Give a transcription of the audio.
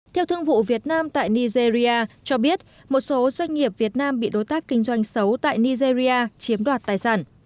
theo thương vụ việt nam tại nigeria cho biết một số doanh nghiệp việt nam bị đối tác kinh doanh xấu tại nigeria chiếm đoạt tài sản